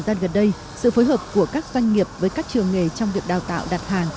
giờ đây sự phối hợp của các doanh nghiệp với các trường nghề trong việc đào tạo đặt hàng